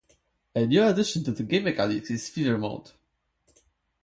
A new addition to the game mechanics is Fever mode.